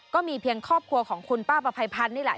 ก็มีเพียงครอบครัวของคุณป้าประภัยพันธ์นี่แหละ